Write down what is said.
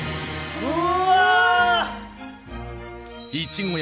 うわ！